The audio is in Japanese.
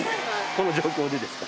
この状況でですか？